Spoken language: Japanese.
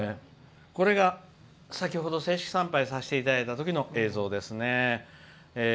これが先ほど参拝させていただいた映像ですね。